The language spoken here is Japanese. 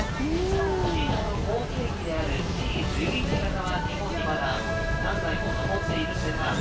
車内アナウンス：後継機であるＣ１１形は日本にまだ何台も残っているんですが。